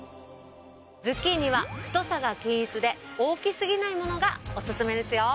ズッキーニは太さが均一で大きすぎないものがおすすめですよ。